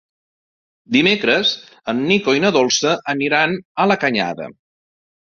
Dimecres en Nico i na Dolça aniran a la Canyada.